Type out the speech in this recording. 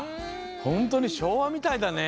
ほんとにしょうわみたいだね。